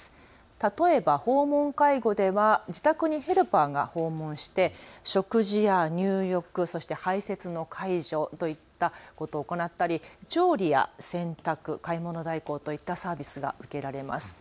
例えば訪問介護では自宅にヘルパーが訪問して食事や入浴、そして排せつの介助といったことを行ったり調理や洗濯、買い物代行といったサービスが受けられます。